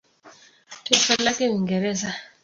Taifa lake Uingereza.